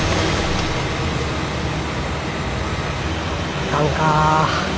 あかんか。